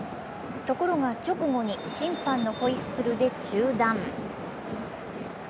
ところが直後に審判のホイッスルで中断。